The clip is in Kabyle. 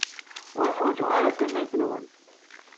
Ur ḥwajeɣ ara tannayt-nwent.